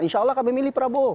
insya allah kami milih prabowo